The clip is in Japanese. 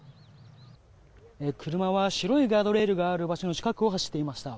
車は白いガードレールがある場所の近くを走っていました。